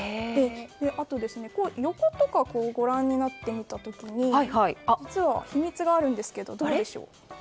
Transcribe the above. あと、横をご覧になってみた時に実は秘密があるんですけどどうでしょう。